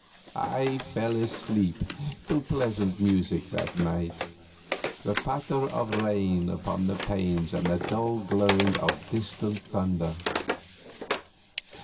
I fell asleep to pleasant music that night the patter of rain upon the panes and the dull growling of distant thunder.